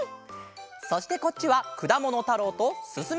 そしてこっちは「くだものたろう」と「すすめ！